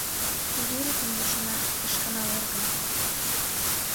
Уверетым вучена, Эшкына эргым.